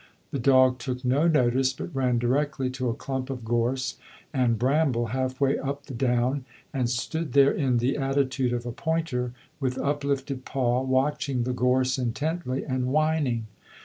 The dog took no notice, but ran directly to a clump of gorse and bramble half way up the down, and stood there in the attitude of a pointer, with uplifted paw, watching the gorse intently, and whining.